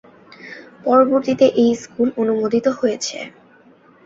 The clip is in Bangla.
পরবর্তীতে এই স্কুল অনুমোদিত হয়েছে।